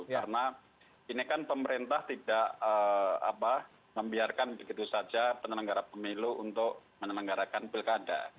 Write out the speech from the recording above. karena ini kan pemerintah tidak membiarkan begitu saja penelenggara pemilu untuk menelenggarakan pilkada